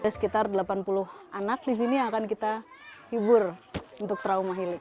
sekitar delapan puluh anak di sini akan kita hibur untuk trauma heliko